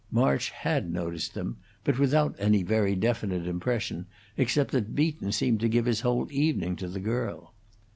March had noticed them, but without any very definite impression except that Beaton seemed to give the whole evening to the girl.